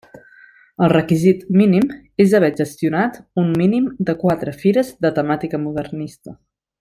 El requisit mínim és haver gestionat un mínim de quatre fires de temàtica modernista.